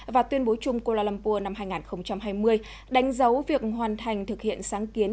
và tuyên bố chung kuala lumpur năm hai nghìn hai mươi đánh dấu việc hoàn thành thực hiện sáng kiến